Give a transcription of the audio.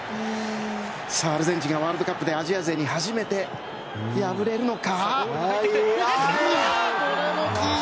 アルゼンチンがワールドカップでアジア勢に初めて敗れるか。